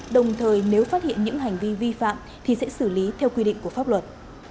đồng thời nếu phát hiện những hành vi vi phạm thì sẽ xử lý theo quy định của pháp luật